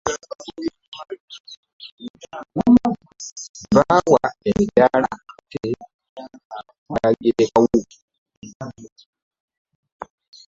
Be baawa emidaala ate baagirekawo.